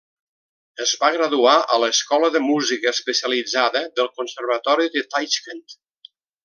Es va graduar a l'escola de música especialitzada del conservatori de Taixkent.